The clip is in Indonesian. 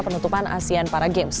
penutupan asean para games